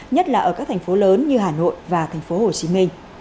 nhất là ở các thành phố lớn như hà nội và tp hcm